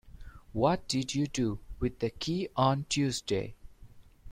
What did you do with the key on Tuesday?